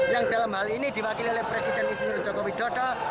yang dalam hal ini diwakili oleh presiden isin yudhjogowi dodo